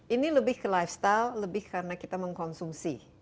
ini lebih ke lifestyle lebih karena kita mengkonsumsi